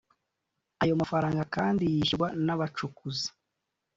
ayo mafaranga kandi yishyurwa n’abacukuzi